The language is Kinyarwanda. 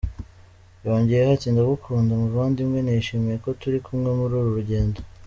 " Yongeyeho ati "Ndagukunda muvandimwe, nishimiye ko turi kumwe muri uru rugendo.